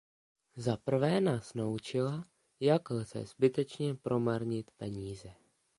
Zaprvé nás naučila, jak lze zbytečně promarnit peníze.